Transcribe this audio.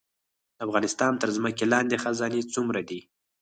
د افغانستان تر ځمکې لاندې خزانې څومره دي؟